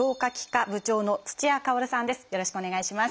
よろしくお願いします。